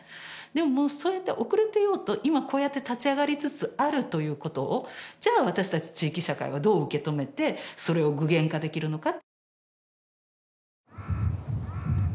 でもそうやって遅れていようと今こうやって立ち上がりつつあるということをじゃあ私たち地域社会はどう受け止めてそれを具現化できるのか。